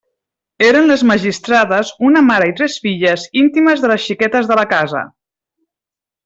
Eren «les magistrades», una mare i tres filles, íntimes de les xiquetes de la casa.